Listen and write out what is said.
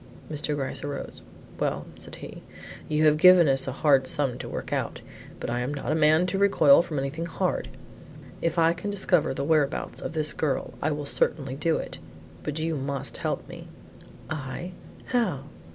Mr. Gryce arose. "Well," said he, "you have given us a hard sum to work out, but I am not the man to recoil from anything hard. If I can discover the whereabouts of this girl I will certainly do it, but you must help me." "I, how?"